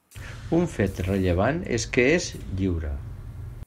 Un fet rellevant és que és lliure.